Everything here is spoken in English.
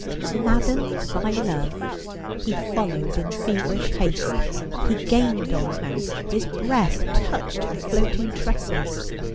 Maddened by love he followed in feverish haste ; he gained on her ; his breath touched her floating tresses.